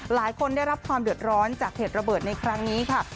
หลายคนได้รับความเดือดร้อนจากเหตุระเบิดในครั้งนี้ค่ะ